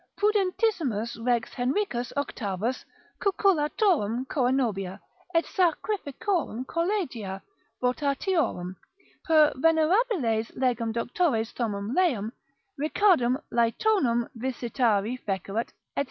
prudentissimus Rex Henricus Octavus cucullatorum coenobia, et sacrificorum collegia, votariorum, per venerabiles legum Doctores Thomam Leum, Richardum Laytonum visitari fecerat, &c.